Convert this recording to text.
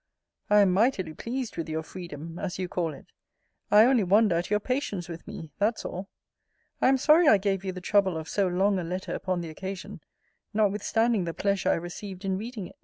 I am mightily pleased with your freedom, as you call it. I only wonder at your patience with me; that's all. I am sorry I gave you the trouble of so long a letter upon the occasion,* notwithstanding the pleasure I received in reading it.